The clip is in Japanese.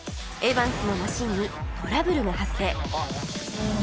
エバンスのマシンにトラブルが発生！